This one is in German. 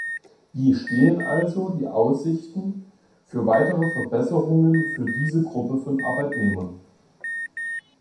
Wie stehen also die Aussichten für weitere Verbesserungen für diese Gruppe von Arbeitnehmern?